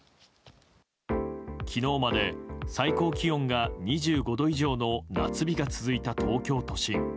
昨日まで最高気温が２５度以上の夏日が続いた東京都心。